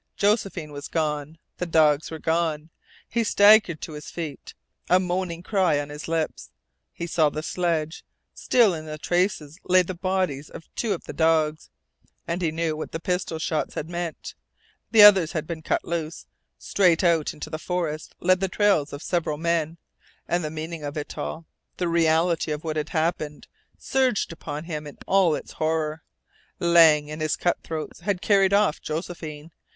Josephine was gone, the dogs were gone. He staggered to his feet, a moaning cry on his lips. He saw the sledge. Still in the traces lay the bodies of two of the dogs, and he knew what the pistol shots had meant. The others had been cut loose; straight out into the forest led the trails of several men; and the meaning of it all, the reality of what had happened, surged upon him in all its horror. Lang and his cutthroats had carried off Josephine.